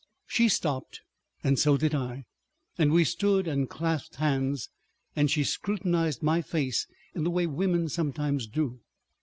She stopped and so did I, and we stood and clasped hands, and she scrutinized my face in the way women sometimes do.